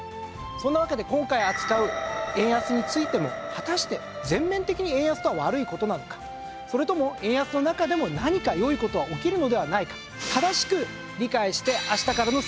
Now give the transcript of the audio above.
そんなわけで今回扱う円安についても果たして全面的に円安が悪い事なのかそれとも円安の中でも何か良い事は起きるのではないか。